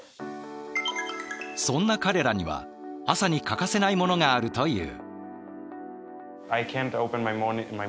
そんな彼らには朝に欠かせないものがあるという。